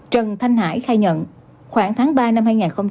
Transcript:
trần thanh hải khai nhận khoảng tháng ba năm hai nghìn hai mươi